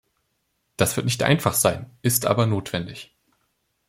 Das wird nicht einfach sein, ist aber notwendig.